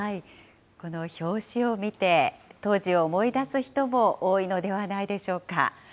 この表紙を見て、当時を思い出す人も多いのではないでしょうか。